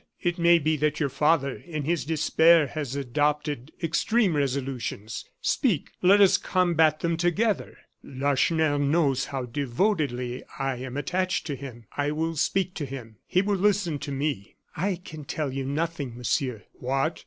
It may be that your father, in his despair, has adopted extreme resolutions. Speak, let us combat them together. Lacheneur knows how devotedly I am attached to him. I will speak to him; he will listen to me." "I can tell you nothing, Monsieur." "What!